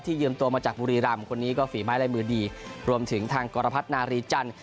ยืมตัวมาจากบุรีรำคนนี้ก็ฝีไม้ลายมือดีรวมถึงทางกรพัฒนารีจันทร์